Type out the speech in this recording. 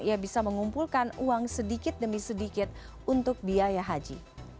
ia bisa mengumpulkan uang sedikit demi sedikit untuk biaya haji